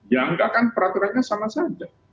ya enggak kan peraturannya sama saja